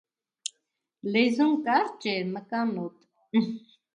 Լեզուն կարճ է, մկանոտ։